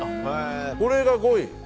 これが５位？